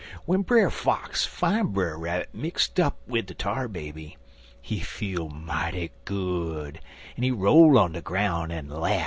"W'en Brer Fox fine Brer Rabbit mixt up wid de Tar Baby, he feel mighty good, en he roll on de groun' en laff.